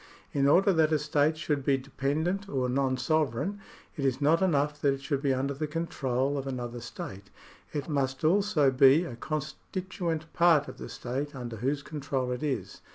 In order that a state should be dependent or non sovereign, it is not enough that it should be under the control of another state ; it must also be a constituent part of the state under whose control it is.